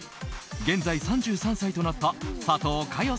現在３３歳となった佐藤かよ